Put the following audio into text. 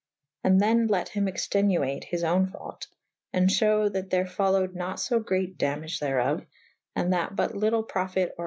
And then let hym extenuate [E vi b] his own faute / and fhewe that there folowed nat fo great damage therof / and that but lytle profyte or •B.